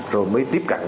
rồi mới tiếp cận